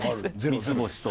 三つ星と。